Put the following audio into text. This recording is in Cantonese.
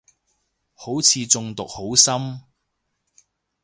以為中毒好深